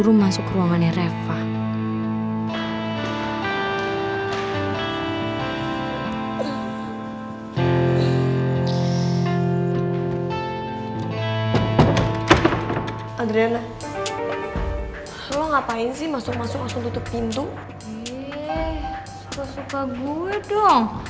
suka suka gue dong